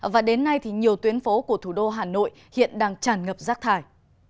và đến nay nhiều tuyến phố của thủ đô hà nội hiện đang chản ngập rác thải